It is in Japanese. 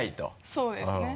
そうですね。